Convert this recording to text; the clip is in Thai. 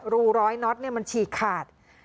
รูร้อยน็อตมันฉีกขาด